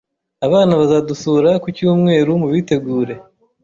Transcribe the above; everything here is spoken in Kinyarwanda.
Abana bazadusura ku Cyumweru mubitegure.